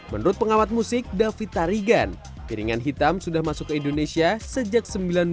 menurut pengamat musik david tarigan piringan hitam sudah masuk ke indonesia sejak seribu sembilan ratus sembilan puluh